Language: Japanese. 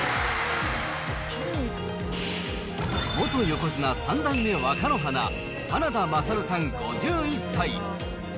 元横綱・三代目若乃花、花田虎上さん５１歳。